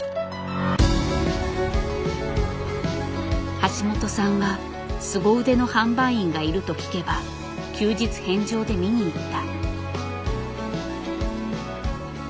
橋本さんはすご腕の販売員がいると聞けば休日返上で見に行った。